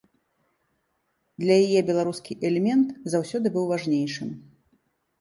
Для яе беларускі элемент заўсёды быў важнейшым.